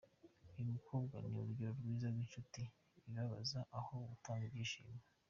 Uyu mukobwa ni urugero rwiza rw’inshuti ibabaza aho gutanga ibyishimo”.